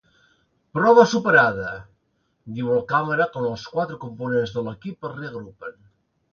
Prova superada! —diu el càmera quan els quatre components de l'equip es reagrupen.